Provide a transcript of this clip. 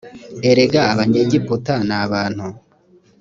erega abanyegiputa ni abantu